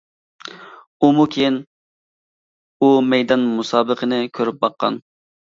ئۇمۇ كېيىن ئۇ مەيدان مۇسابىقىنى كۆرۈپ باققان.